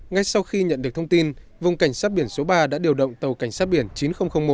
ngay sau khi nhận được thông tin vùng cảnh sát biển số ba đã điều động tàu cảnh sát biển chín nghìn một